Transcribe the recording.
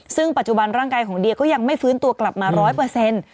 ซึ่งปัจจุบันร่างกายของเดียก็ยังไม่ฟื้นตัวกลับมาร้อยเปอร์เซ็นต์